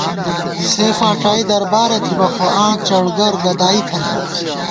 سےفاڄائی دربارہ تھِبہ، خو آں چڑگر گدائی تھنَئیم